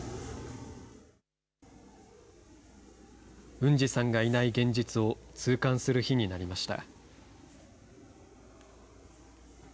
ウンジさんがいない現実を痛感する日になりました。